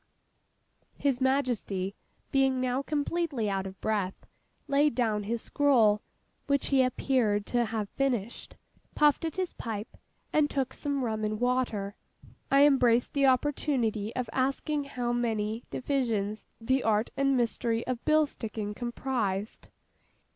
His Majesty, being now completely out of breath, laid down his scroll (which he appeared to have finished), puffed at his pipe, and took some rum and water. I embraced the opportunity of asking how many divisions the art and mystery of bill sticking comprised?